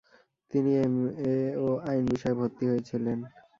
তিনি এমএ ও আইন বিষয়ে ভর্তি হয়েছিলেন।